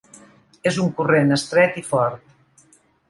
És un corrent estret i fort.